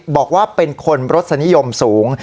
บอกว่าเป็นคนรสนิยมสูง